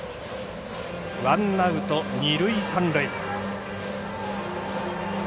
ワンアウト二塁三塁。